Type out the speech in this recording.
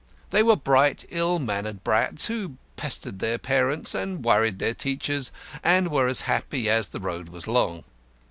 They were bright, ill mannered brats, who pestered their parents and worried their teachers, and were as happy as the Road was long.